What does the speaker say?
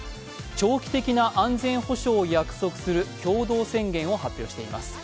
長期的な安全保障を約束する共同宣言を発表しています。